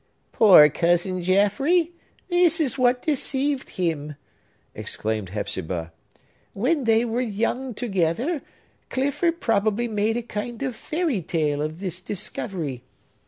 "Poor Cousin Jaffrey! This is what deceived him," exclaimed Hepzibah. "When they were young together, Clifford probably made a kind of fairy tale of this discovery.